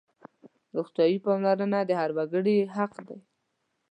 روغتیايي پاملرنه د هر وګړي حق دی.